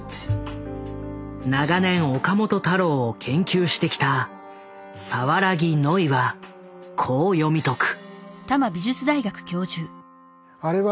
長年岡本太郎を研究してきた椹木野衣はこう読み解く。